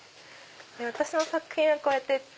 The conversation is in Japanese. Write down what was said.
私の作品はこうやって。